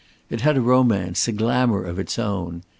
It had a romance, a glamour of its own.